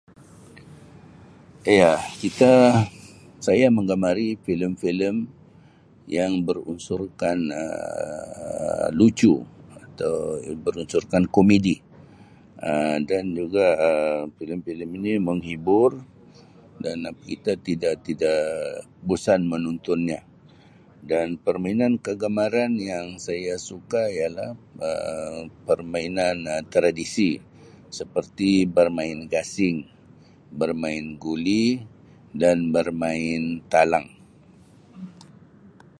Iya kita saya menggemari filem-filem yang berunsurkan Um lucu atau berunsurkan komedi Um dan juga filem-filem ini menghibur dan kita tidak-tidak bosan menontonnya dan permainan kegemaran yang saya suka ialah Um permainan tradisi seperti bermain Gasing, bermain Guli dan bermain Talang.